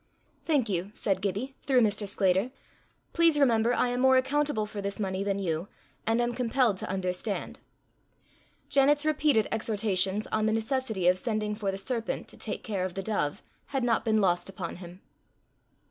"Thank you," said Gibbie, through Mr. Sclater. "Please remember I am more accountable for this money than you, and am compelled to understand." Janet's repeated exhortations on the necessity of sending for the serpent to take care of the dove, had not been lost upon him.